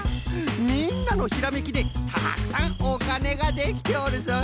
みんなのひらめきでたくさんおかねができておるぞい。